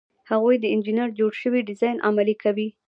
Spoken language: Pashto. هغوی د انجینر جوړ شوی ډیزاین عملي کوي.